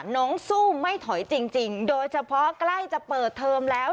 สู้ไม่ถอยจริงโดยเฉพาะใกล้จะเปิดเทอมแล้ว